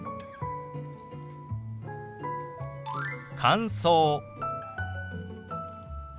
「乾燥」。